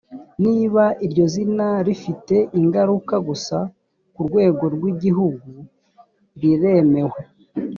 niba iryo zina rifite ingaruka gusa ku rwego rwi gihugu riremewe.